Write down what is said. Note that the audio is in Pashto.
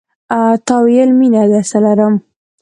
تا ویل، میینه درسره لرم